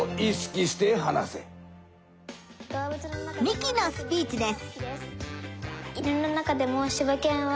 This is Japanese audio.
ミキのスピーチです。